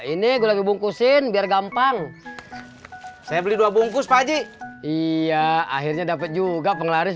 ini gue bungkusin biar gampang saya beli dua bungkus pak ji iya akhirnya dapet juga penglaris